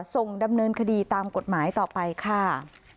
ส่งดำเนินคดีตามกฎหมายต่อไปค่ะ